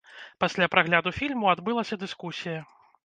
Пасля прагляду фільму адбылася дыскусія.